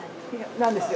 なんですよ。